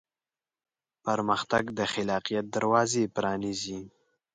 پرمختګ د خلاقیت دروازې پرانیزي.